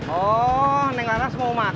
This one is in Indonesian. oh neng laras mau makan